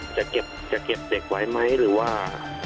จะเก็บเด็กไว้ไหมหรือว่า